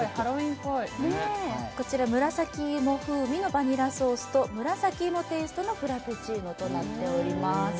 こちら紫芋風味のバニラアイスと紫芋テイストのフラペチーノとなっております。